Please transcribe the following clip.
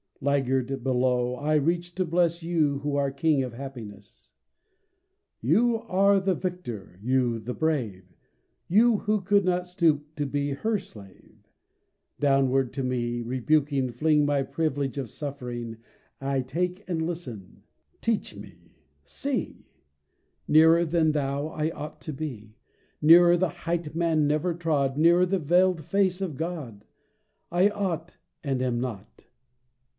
Laggard below, I reach to bless You who are King of happiness; You are the victor, you the brave, Who could not stoop to be her slave. Downward to me, rebuking, fling My privilege of suffering. I take and listen. Teach me. See! Nearer than you, I ought to be; Nearer the height man never trod, Nearer the veiled face of God. I ought, and am not.